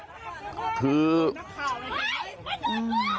ขอโทษนะครับ